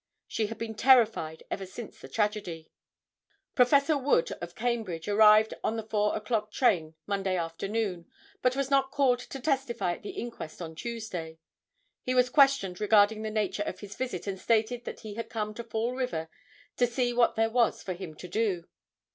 She had been terrified ever since the tragedy. Prof. Wood, of Cambridge, arrived on the 4 o'clock train Monday afternoon, but was not called to testify at the inquest on Tuesday. He was questioned regarding the nature of his visit, and stated that he had come to Fall River to see what there was for him to do.